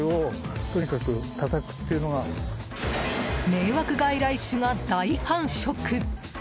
迷惑外来種が大繁殖！